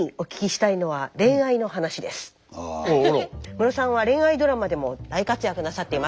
ムロさんは恋愛ドラマでも大活躍なさっていますが。